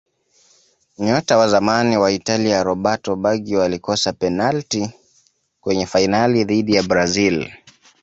nyota wa zamani wa Italia roberto baggio alikosa penati kwenye fainali dhidi ya brazil